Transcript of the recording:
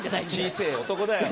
小せぇ男だよ。